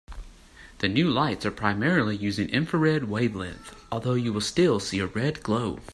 The new lights are primarily using infrared wavelength, although you will still see a red glow.